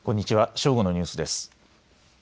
正午のニュースです。